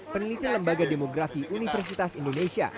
peneliti lembaga demografi universitas indonesia